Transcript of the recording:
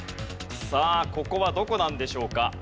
さあここはどこなんでしょうか？